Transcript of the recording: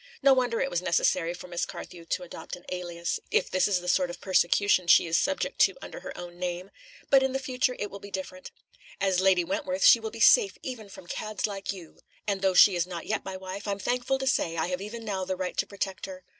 No wonder it was necessary for Miss Carthew to adopt an alias, if this is the sort of persecution she is subject to under her own name. But in future it will be different. As Lady Wentworth she will be safe even from cads like you; and though she is not yet my wife, I'm thankful to say I have even now the right to protect her.